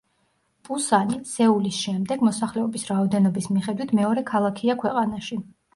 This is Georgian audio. პუსანი, სეულის შემდეგ, მოსახლეობის რაოდენობის მიხედვით მეორე ქალაქია ქვეყანაში.